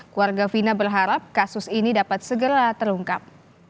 keluarga fina berharap kasus ini dapat segera terungkap